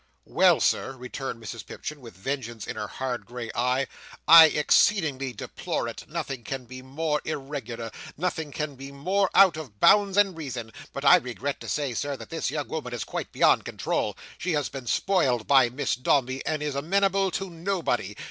"Well, Sir," returned Mrs Pipchin, with vengeance in her hard grey eye, "I exceedingly deplore it; nothing can be more irregular; nothing can be more out of all bounds and reason; but I regret to say, Sir, that this young woman is quite beyond control. She has been spoiled by Miss Dombey, and is amenable to nobody.